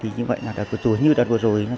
như vậy là đợt vừa rồi